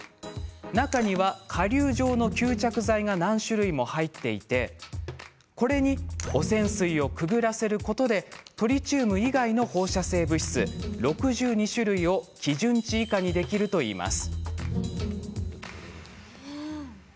中には、かりゅう状の吸着剤が何種類も入っていてこれに汚染水をくぐらせることでトリチウム以外の放射性物質６２種類を基準値以下にできるといいます。